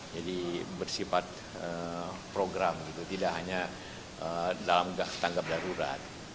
jadi bersifat program tidak hanya dalam tanggap darurat